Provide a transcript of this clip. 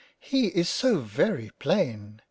He is so very plain !